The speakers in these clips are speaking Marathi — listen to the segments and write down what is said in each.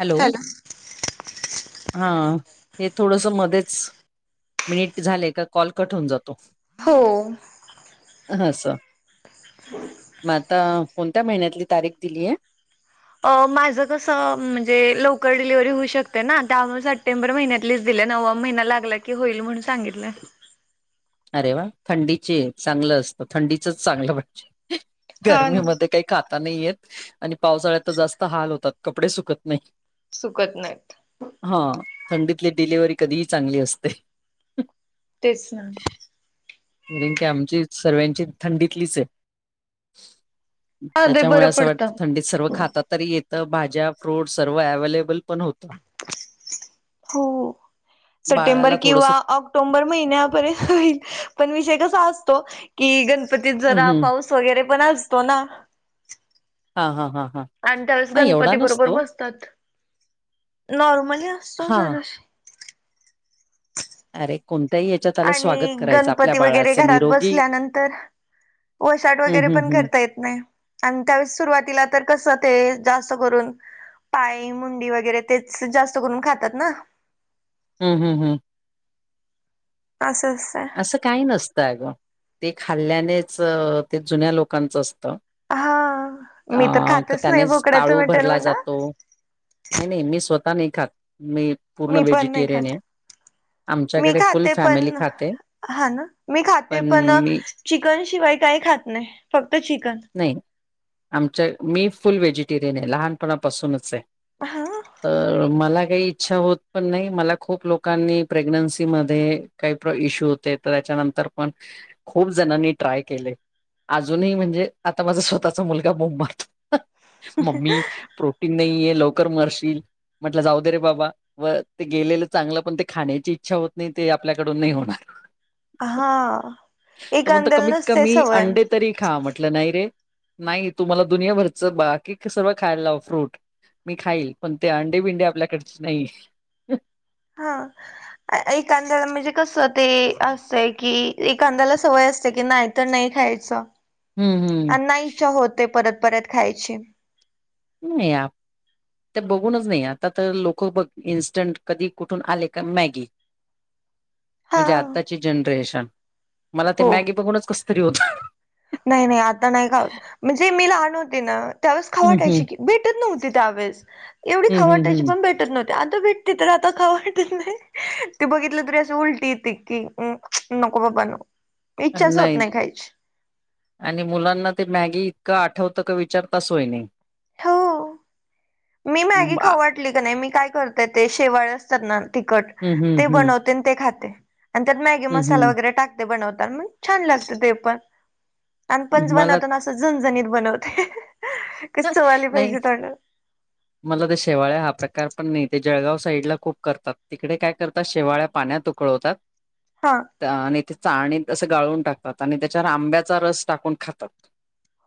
हॅलो. हा हे थोडस मध्येच मिनिट झाले का कॉल कट होऊन जातो. हो. हा स [unintelligible] मग आता कोणत्या महिन्यातली तारीख दिलीय. माझं कसं म्हणजे लवकर डिलिव्हरी होऊ शकते ना त्यामुळे सप्टेंबर महिन्यात लिट दिले नववा महिना लागला की होईल म्हणून सांगितलं. अरे वा थंडीची चांगलं असतं थंडीचच चांगलं म्हणजे हा ना गर्मीमध्ये काही खाता नाही येत आणि पावसाळ्यात तर जास्त हाल होतात कपडे सुकत नाही. सुकत नाहीत. हा थंडीतली डिलेिव्हरी कधीही चांगली असते. तेच ना. कि आमची सर्व्यांची थंडीतलीच आहे. हा ते त्याच्यामुळे बरं असं पडतं. वाटतं थंडीत सर्व खाताातरी येतं भाज्या फ्रूट सर्व अव्हेलेबल पण होत. हो सप्टेंबर बाळाला थोडस किंवा क्टोबर महिन्यापर्य होई पण विषय कसा असतो की गणपतीत जरा पाऊस वगैरे पण असतो ना हा हा हा हा आणि त्यावेळेस नाही एवढा गणपती बरोबर नसतो. बसतात नॉर्मली असतो हां. जरा अरे कोणत्याही ह्याच्यात त्याला आणि स्वागत करायचं आपल्या गणपती वगैरे बाळाचं घरात निरोगी बसल्यानंतर वशाट हं, वगैरे हं, पण हं. करता येत नाही आणि त्यावेळेस सुरुवातीला तर कसं ते जास्त करून पाय मुंडी वगैरे तेच जास्त करून खातात ना हम् हम्म हम असचा असं काही नसतं अ गं ते खाल्ल्यानेच ते जुन्या लोकांचं असतं हा मी तर अ खातच नाही त्याने बोकड्याचं ताळू मटण भरला म्हणा जातो नाही नाही मी स्वतः नाही खात मी पूर्ण मी पण नाही व्हेजिटेरियन खात. आहे मी आमच्याकडे फुल खाते फॅमिली पण खाते हा ना मी खाते पण चिकन शिवाय काही खात नाही फक्त चिकन नाही आमच्या मी फुल व्हेजिटेरियन आहे लहानपणापासूनच आहे हा तर मला काही इच्छा होत पण नाही मला खूप लोकांनी प्रेग्नन्सी मध्ये काही प्र इश्यू तर त्याच्यानंतर पण खूप जणांनी ट्राय केले अजूनही म्हणजे आता माझा स्वतःचा मुलगा मो मारतो मम्मी प्रोटीन नाही आहेे लवकर मरशील म्हटलं जाऊ दे रे बाबा व ते गेलेलं चांगलं पण ते खाण्याची इच्छा होत नाही ते आपल्याकडून नाही होणार हा त म्हणत एखांद्याला कमीत नसते कमी सवय अंडे तरी खा म्हट म्हलं नाही रे नाही तुम्हाला दुनियाभरच बाकी सर्वं खायला लाव फ्रूट मी खाईल पण ते अंडे बिंडे आपल्याकडच नाही हा. [inaudible] एखांद्याला म्हणजे कस ते असतंय की एखाद्याला सवय असते की नाही तर नाही खायच हम्म, हम्म. आणि नाही इच्छा होते परत परत खायची नाही आप ते बघूनच नाही आता तर लोक बघ इन्स्टंट कधी कुठून आले का मॅगी. हा म्हणजे आताची जनरेशन मला ते हो मॅगी बघूनच कस तरी होत. नाही नाही आता नाही का होत म्हणजे मी लहान होते ना त्यावेळेस खावु हं, हं. वाटायची की भेटत नव्हती, त्यावेळेस एवढी हं, खावु हं, वाटायची हं. पण भेटत. भेट नव्ह आता भेटते तर आता ख वाटत नाही ते बघितलं तरी असं उलटी ये की हम् नकबा पणो नाईन आणि मुलांना ते मॅगी इतकं आठवतं का विचारता असय नाही हो मी मॅगी बा खाटली का नाही मी काय करतेय ते शेवाळ असतात ना तखट हं, हं, ते हं. बनवत खाते त्यात मॅगी हं, मसाला हं. टाकते. ते बनवताना छान लागत ते पण आणि पंच [unintelligible] मला बनवताना तू जनजणीत बनवते. कस चव आली नाही पाहिजे तोंडाला मला ते शेवाळ्या हा प्रकार पण नाही ते जळगाव साईडला खूप करतात. तिकडे काय करतात शेवाळ्या पाण्यात उकळवतात. [unintelligible] हा आणि ते चाळणी असं गाळून टाकतात आणि त्याच्यावर आंब्याचा रस टाकून खातात.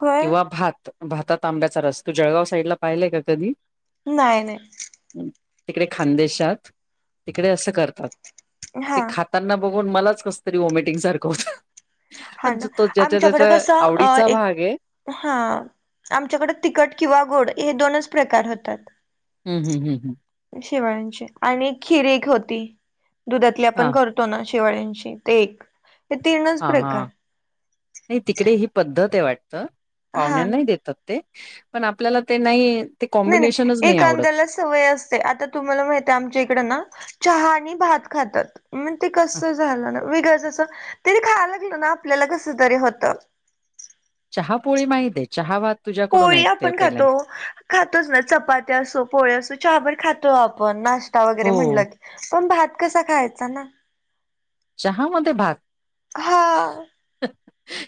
होय किंवा भात भातात आंब्याचा रस तू जळगाव साईडला पाहिलाय का कधी? नाही नाही तिकडे खानदेशात तिकडे असं करतात. हा ते खातात त्यांना बघून मलाच कसं तरी वॉमिटिंग सारखं होत. हा ना तो ज्याच्या आमच्याकडे त्याच्या कसं अ आवडीचा एक भाग आहे. हा आमच्याकडे ततखट किंवा गोड हे दोनच प्रकार होतात. हम हम हम. शेवाळ्यांची आणि खिर एक होती दुधातली आपण हा कर करतो ना शेवाळांची ते एक. हे तीनच हां हां प्रकार नाही तिकडे ही पद्धत आहे वाटतं हा ना पाहुण्यांनाही देतात ते. पण आपल्याला ते नाही. ते नाही कॉम्बिनेशनच नाही आवडत. एखाद्याला सवय असते आता तुम्हाला माहिती आमच्या इकड ना चहा आणि भात खातात. मग ते ह कस झालं ना वेगळ अस तिने खायला लागलं ना आपल्याला कस तरी होत. चहा पोळी माहिती आहे चहा भात. तुझ्याकडून पोळी ऐकतेय आपण खातो पहिल्यांदा खातोच ना चपात्या असो पोळी असो चहा खातो आपण ना टा वगैरे हो म्हणलं की पण भात कसा खायचा ना? चहा मध्ये भात हा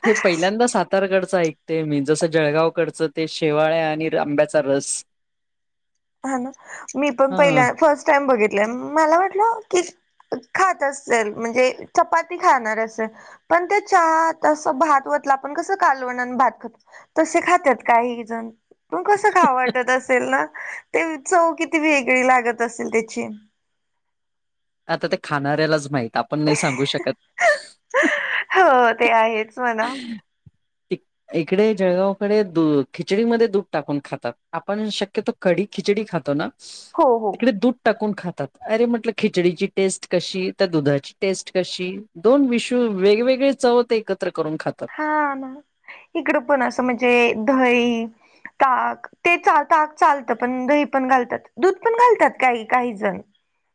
हे पहिल्यांदाच सात सातारकडचं ऐकते मी जसं जळगावकडचं ते शेवाळ्या आणि आंब्याचा रस. [inaudible] हा ना मी पण ह पहिल्या फर्स्ट टाइम बघितले मला वाटलं की खात असेल म्हणजे चपाती खाणार अस. पण ते चहा असं भात ओतला आपण कसं कालवण आणि भात खातो. तसे खातात काही जण कसं खावु वाटत असेल ना ते चव किती वेगळी लागत असेल त्याची. आता ते खाणाऱ्यालाच माहित आपण नाही सांगू शकत. हो ते आहेच म्हणा. [unintelligible] इकडे जळगावकडे दू खिचडीमध्ये दूध टाकून खातात आपण शक्यतो कडी खिचडी खातो ना. हो हो तिकडे दुध. टाकून खातात अरे म्हटलं खिचडीची टेस्ट कशी? त्या दुधाची टेस्ट कशी? दोन विषू वेगवेगळे चव ते एकत्र करून खातात. हा ना इकडं पण असं म्हणजे दही, ताक. ते चालत आग चालतं पण दही पण घालतात दूध पण घालतात काही काही जण.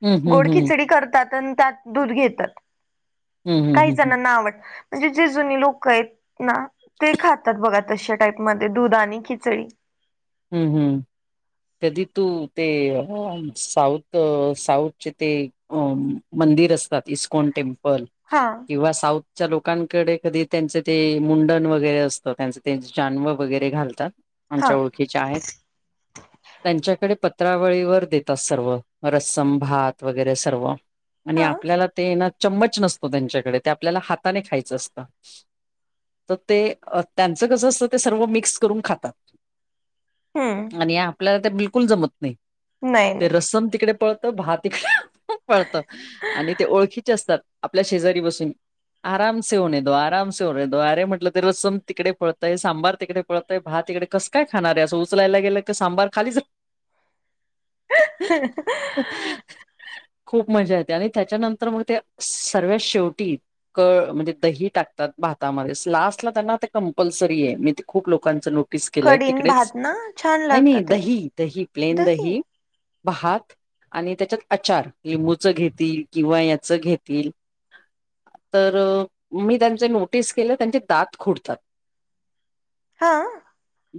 हम्म हम्म गोड हम्म खिचडी करतात आणि त्यात दूध घेतात. हम्म हम्म काही हम्म हम्म जणांना आवड म्हणजे जे जुनी लोक आहेत ना ते खातात बघा तशा टाईपमध्ये दुध आणि खिचडी. हं हं. कधी तु ते साऊथ साऊथचे ते. अ मंदिर असतात इस्कॉन टेम्पल हा किंवा साऊथ च्या लोकांकडे कधी त्यांचे ते मुंडन वगैरे असतं. त्यांचे त्यां जानव वगैरे घालतात. हा आमच्या ओळखीच्या आहेत. त्यांच्याकडे पत्रावळीवर देतात सर्व रस्सम भात वगैरे सर्व. आणि हा आपल्याला ते ना चम्मच नसतो त्यांच्याकडे ते आपल्याला हाताने खायचं असतं. तर ते त्यांचं कसं असतं ते सर्व मिक्स करून खातात. हम्म आणि आपल्याला ते बिलकुल जमत नाही नाही ते नाही रसम तिकडे पळतं भात तिकडे पळत आणि ते ओळखीचे असतात आपल्या शेजारी बसून आराम से होने दो आराम से होने दो अरे म्हटलं त रसम तिकडे पळतय सांबार तिकडे पळतय भात तिकडे कसं काय खाणार आहे असं उचलायला गेलं क सांबार खालीच [unintelligible] खूप मजा येते आणि त्याच्यानंतर मग त्या सर्वात शेवटी. कळ म्हणजे दही टाकतात भातामध्ये लास्टला त्यांना ते कंपल्सरी आहे मी ते खूप लोकांच नो केलंय कडीन तिकडेच भात ना छान नाही लागत नाही ते दही दही प्लेन दही भात. आणि त्याच्यात आचार लिंबूचं घेतील किंवा याचं घेतील. तर मी त्यांचे नोटीस केलं त्यांचे दात खुडतात. हा.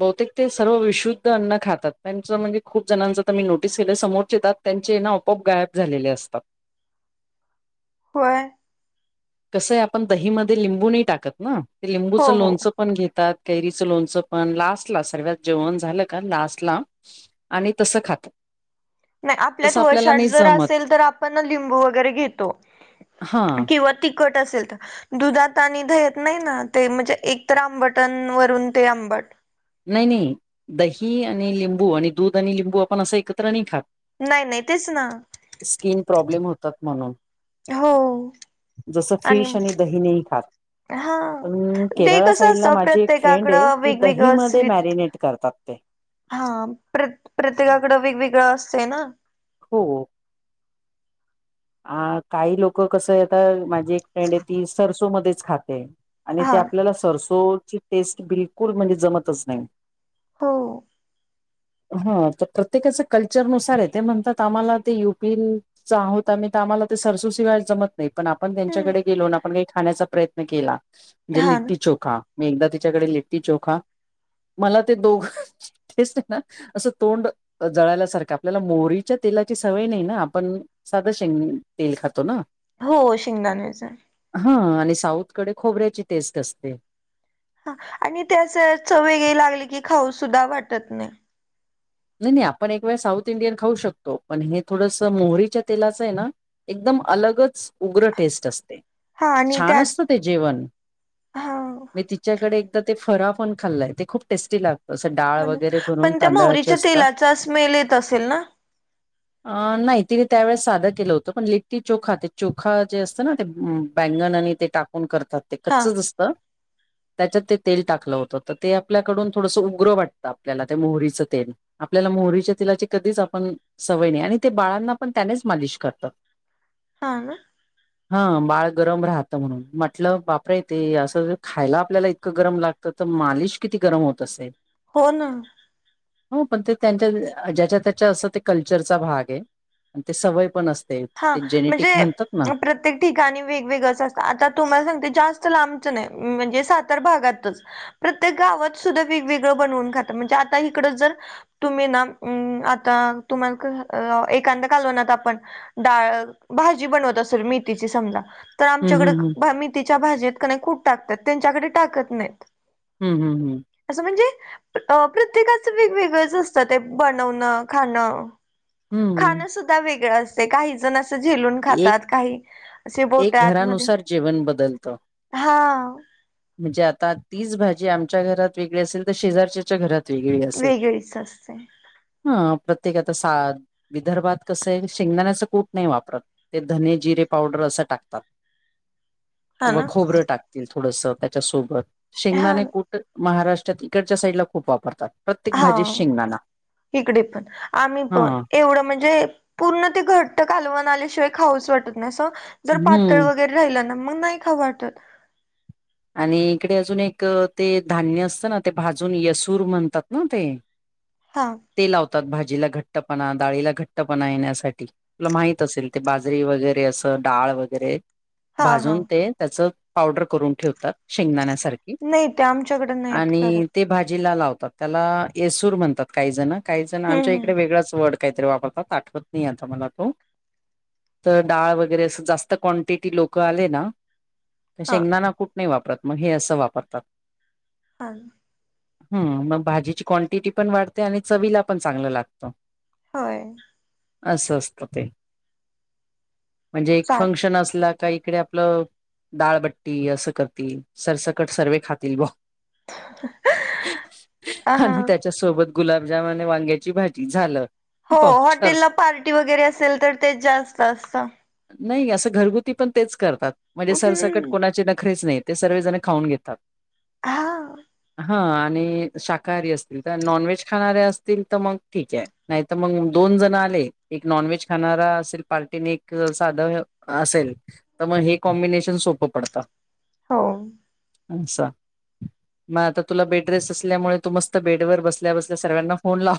बहुतेक ते सर्व विशुद्ध अन्न खातात त्यांच म्हणजे खूप जणांच तर मी नोटीस केलं समोरचे दात त्यांचे ना आपोआप गायब झालेले असतात. होय. कसंय आपण दहीमध्ये लिंबू नाही टाकत ना ते हो लिंबूचं हो लोणचं पण घेतात कैरीचं लोणचं पण लास्ट ला सर्वात जेवण झालं का लास्ट ला आणि तसं खातात नाही आपल्यात तसं आपल्याला वशाट नाही जर जमत असेल तर आपण लिंबू वगैरे घेतो हा किंवा तिकट असेल तर दुधात आणि दह्यात नाही ना ते म्हणजे एकतर आंबट अन वरून ते आंबट. नाही नाही दही आणि लिंबू आणि दूध आणि लिंबू आपण असं एकत्र नाही खात. नाही नाही तेच ना. स्किन प्रॉब्लेम होतात म्हणून. हो जसं फिश आणि दही नाही खात. हा पण ते केरळा कसं साईड ला असतं माझी एक फ्रेंड आहे प्रत्येकाकडं ती दही वेगवेगळंच मध्ये ते रीत मॅरिनेट करतात ते हा प्र प्रत्येकाकडं वेगवेगळं असतें ना? हो हो अ काही लोक कसं आहे आता माझी एक फ्रेंड आहे ती सरसो मध्येच खाते. आणि ते हा आपल्याला सरसोची टेस्ट बिलकुल म्हणजे जमतच नाही. हो [unintelligible] [inaudible] हा तर प्रत्येकाच कल्चरनुसार आहे ते म्हणतात आम्हाला ते युपी आता मी तर आम्हाला ते सरसो शिवाय जमत नाही पण आपण हम्म त्यांच्याकडे गेलो ना आपण काही खाण्याचा प्रयत्न केला [unintelligible] म्हणजे हा ना लिट्टी चोखा मी एकदा तिच्याकडे लिट्टी चोखा मला ते दोघ तेच तर ना असं तोंड जळाल्यासारखं आपल्याला मोहरीच्या तेलाची सवय नाही ना आपण साधं शेंगणी तेल खातो ना. हो शिंगदाणेच. हा आणि साऊथकडे खोबऱ्याची टेस्ट असते. ह आणि ते असं चव वेगळी लागली की खाऊ सुद्धा वाटत नाही. नाही नाही आपण एक वेळ साऊथ इंडियन खाऊ शकतो पण हे थोडंसं मोहरीच्या तेलाचं आहे ना एकदम अलगच उग्र टेस्ट असते. हा आणि छान त्यात असत ते जेवण हा मी त च्याकडे एकदा ते फरा पण खाल्लाय ते खूप टेस्टी लागतं असं डाळ हा ना वगैरे भरून पण त्या तांदळा मोहरीच्या तेलाचा स्मेल येत असेल ना? [inaudible] नाही तिने त्यावेेळेस साद केलं होतं पण लिट्टी चोखा ते चोखा जे असत ना ते बँगण आणि ते टाकून करतात ते हा कच्चच असत. त्याच्यात ते तेल टाकलं होतं तर ते आपल्याकडून थोडसं उग्रं वाटतं आपल्याला ते मोहरीचं तेल. आपल्याला मोहरीच्या तेलाची कधीच आपण सवय नाही आणि ते बाळांना पण त्यानेच मालिश करतात. [inaudible] हा ना. [inaudible] हा बाळ गरम राहतं म्हणून म्हटलं बापरे ते असं खायला आपल्याला इतकं गरम लागत तर तर मालिश किती गरम होत असे हो ना. हो पण ते त्यांच्या ज्याच्या त्याच्या असं ते कल्चरचा भाग आहे आणि ते सवय पण असत हा म्हणजे प्र प्रत्येक ठिकाणी वेगवेगळंच असतं आता तुम्हाला सांगते जास्त लांबचं नाही म्हणजे सातार भागातच प्रत्येक गावात सुद्धा वेगवेगळं बनवून खातात म्हणजे आता इकडं जर तुम्ही ना आता तुम्हाला एांदा घलवना आपण डाळ भाजी बनवत असेल मथीची समजा तर हं, हं, हं, आमच्याकडे तिच्या भाजेतत क कूट टाकतात त्यांच्याकडे टाकत नाहीत. हम् हम्म हम असं म्हणजे प्रत्येकाच वेगवेगळंच असतं ते बनवणं खाणं. हं, हं. खाणं सुद्धा वेगळं असते काही जण असं झेलून खातात काही असे बोटात त्यानुसार जेवन बदलतं. हा म्हणजे आता तीच भाजी आमच्या घरात वेगळी असेल तर शेजारच्या घरात घरी वेगळीच असते हा प्रत्येक आता सा विदर्भात कसं आहे शेंगदाण्याच कूट नाही वापरत. ते धने जिरे पावडर असं टाकतात हा किंवा ना खोबरं टाकतात. थोडस त्याच्यासोबत हा शेंगदाणे कुट महाराष्ट्रात तिकडच्या साईड ला खूप वापरतात. प्रत्येक हा भाजीत शेंगदाणा इकडे पण आम्ही पण हा एवढं म्हणजे पूर्ण ते घट्ट कालवन आल्याशिवाय खाऊच वाटत नाही अस जर पातळ हम्म वग राहिल ना मग नाही खाऊ वाटत. आणि इकडे अजून एक ते धान्य असतं ना ते भाजून यसूर म्हणतात ना ते. हां ते लावतात भाजीला घट्टपणा डाळीला घट्टपणा येण्यासाठी. तुला माहित असेल ते बाजरी वगैरे असं डाळ वगैरे. हा हा भाजून ते त्याच पावडर करून ठेवतात शेंगदाण्यासारखे. नाही ते आमच्याकडे नाहीत आणि करत ते भाजीला लावतात. त्याला येसूर म्हणतात काही जण काही जण हम्म आमच्या हम्म इकडे वेगळाच वर्ड काहीतरी वापरतात आठवत नाही आता मला तो तर डाळ वगैरे अस जास्त क्वांटिटी लोकं आले ना तर हा शेंगदाणा कुट नाही वापरत मग हे असं वापरतात. ह. ह मग भाजीची क्वांटिटी पण वाढते आणि चवीला पण चांगलं लागतं. होय अस असत ते म्हणजे एक चाल फंक्शन असला का इकडे आपलं डाळबट्टी असं करतील सरसकट सर्वे खातील [unintelligible] हा आणि त्या च्या सोबत गुलाबजामन आणि वांग्याची भाजी झालं. हो पावचार हॉटेलला पार्टी वगैरे असेल तर तेच जास्त असतं. नाही असं घरगुती पण तेच करतात म्हणजे सरसकट हम्म कोणाचे नखरेच नाहीत. ते सर्वे जण खाऊन घेतात. हा हा आणि शाकाहारी असतील तर नॉन व्हेज खाणारे असतील तर मग ठीक आहे. नाही तर मग दोन जण आले एक नॉनव्हेज खाणारा असेल पार्टी नि एक क जर साधं असेल तर मग हे कॉम्बिनेशन सोपं पडतं. हो. अच्छा. मग आता तुला बेडरेस्ट असल्यामुळे तू मस्त बेडवर बसल्या बसल्या सर्व्यांना फोन लाव.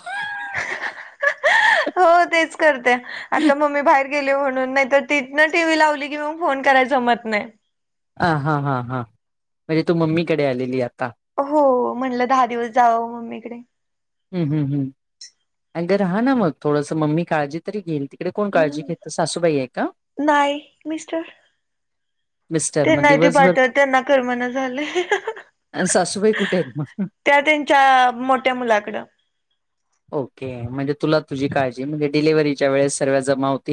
हो तेच करते. आता मम्मी बाहेर गेली म्हणून नाही तर तिथन टी व्ही लावली की मग फोन करायला जमत नाही. अ हा हां हां म्हणजे तू मम्मीकडे आलेली आहे आता. हो म्हणलं दहा दिवस जावं मम्मीकडे. हम् हम्म हू आणि ग रहा ना मग थोडंसं मम्मी काळजी तरी घेईल तिकडे कोण काळजी हम्म घेतं सासूबाई आहे का? नाही मिस्टर ते मग नाही ते दिवसभर पाठवत त्यांना करमना झालंय. अ सासूबाई कुठेत मग त्या त्यांच्या मोठ्या मुलाकडं ओके म्हणजे तुलाच तुझी काळजी म्हणजे डलिव्हरीच्या वेळेस सर्व जमा होती